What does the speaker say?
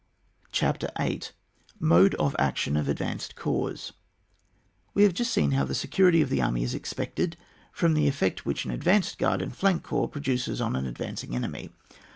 CHAPTER VIII. MODE OF ACTION OF ADVANCED CORPS. Ws have just seen how the security of the army is expected, from the effect which an advanced guard and flank corps produce on an advancing enemy.